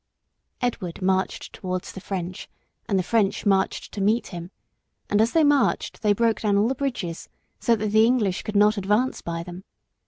Edward marched towards the French and the French marched to meet him, and as they marched they broke down all the bridges, so that the English could not advance by them.